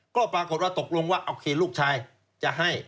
ก็ปรากฏว่าตกลงว่าโอเคลูกชายจะให้